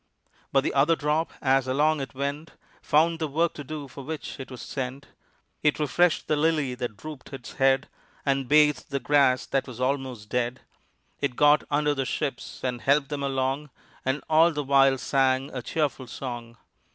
But the other drop as along it went Found the work to do for which it was sent: It refreshed the lily that drooped its head, And bathed the grass that was almost dead. It got under the ships and helped them along, And all the while sang a cheerful song.